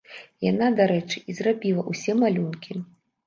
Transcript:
Яна, дарэчы, і зрабіла ўсе малюнкі.